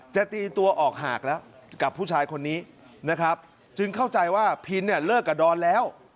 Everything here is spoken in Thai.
จะตีตัวออกหากแล้วกับผู้ชายคนนี้นะครับจึงเข้าใจว่าพินเนี่ยเลิกกับดอนแล้ว